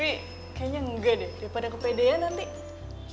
tapi kayaknya gak ada yang mau ngecewakan tante farah